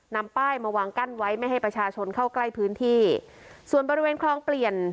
นำป้ายมาวางกั้นไว้ไม่ให้ประชาชนเข้าใกล้พื้นที่ส่วนบริเวณคลองเปลี่ยน